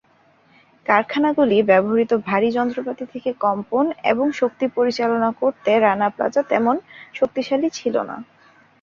কারখানাগুলি ব্যবহৃত ভারী যন্ত্রপাতি থেকে কম্পন এবং শক্তি পরিচালনা করতে রানা প্লাজা তেমন শক্তিশালী ছিল না।